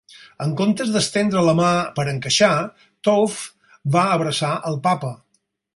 En comptes d'estendre la mà per encaixar, Toaff va abraçar el Papa.